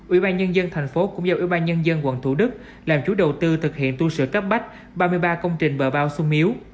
ủy ban nhân dân thành phố cũng giao ủy ban nhân dân quận thủ đức làm chủ đầu tư thực hiện tu sửa cấp bách ba mươi ba công trình bờ bao sung yếu